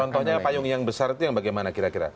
contohnya payung yang besar itu yang bagaimana kira kira